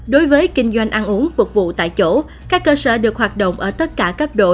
đối với kinh doanh ăn uống phục vụ tại chỗ các cơ sở được hoạt động ở tất cả cấp độ